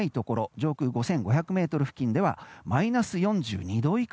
上空５５００ｍ付近ではマイナス４２度以下。